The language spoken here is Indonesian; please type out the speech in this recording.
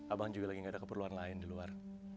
abang juga lagi gak ada keperluan lain di luar